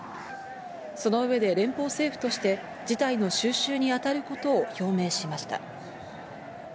その上で連邦政府として事態の収拾に当たることを表明しました。